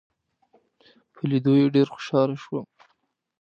په لیدو یې ډېر خوشاله شوم.